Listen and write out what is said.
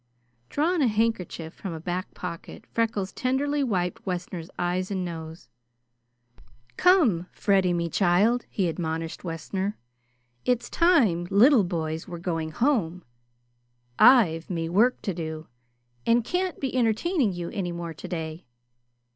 Drawing a handkerchief from a back pocket, Freckles tenderly wiped Wessner's eyes and nose. "Come, Freddy, me child," he admonished Wessner, "it's time little boys were going home. I've me work to do, and can't be entertaining you any more today.